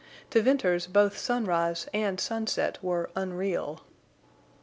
To Venters both sunrise and sunset were unreal.